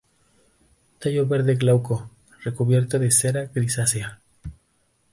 Tallo verde glauco, recubierto de cera grisácea.